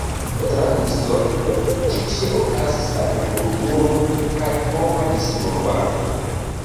Tra historio, ĉi tie okazis agrikulturo kaj homa disvolvado.